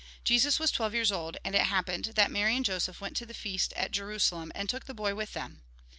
Jesus was twelve years old ; and it happened that Mary and Joseph went to the feast at Jerusalem, and took the boy with them.